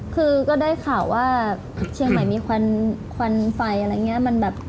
คือก็ได้ข่าวว่าเชียงใหม่มีควันไฟอะไรอย่างนี้